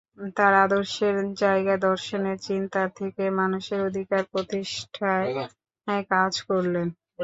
তাঁর আদর্শের জায়গায়, দর্শনের চিন্তা থেকে মানুষের অধিকার প্রতিষ্ঠায় কাজ করলেন।